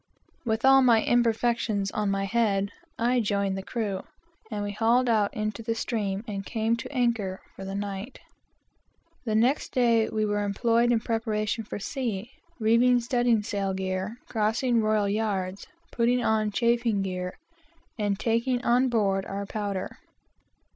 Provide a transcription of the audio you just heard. "With all my imperfections on my head," I joined the crew, and we hauled out into the stream, and came to anchor for the night. The next day we were employed in preparations for sea, reeving studding sail gear, crossing royal yards, putting on chafing gear, and taking on board our powder.